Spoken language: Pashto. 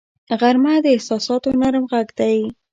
غرمه د احساساتو نرم غږ دی